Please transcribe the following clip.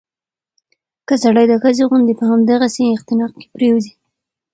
که سړى د ښځې غوندې په همدغسې اختناق کې پرېوځي